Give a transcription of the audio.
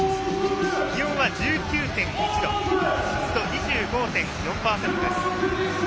気温は１９．８度湿度２５．４％です。